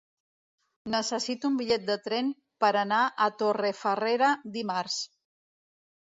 Necessito un bitllet de tren per anar a Torrefarrera dimarts.